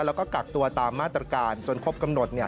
แล้วก็กักตัวตามมาตรการจนครบกำหนด